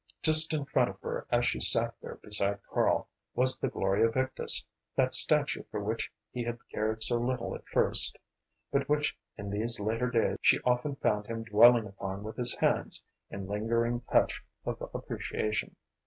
Just in front of her as she sat there beside Karl was the Gloria Victis, that statue for which he had cared so little at first, but which in these later days she often found him dwelling upon with his hands in lingering touch of appreciation.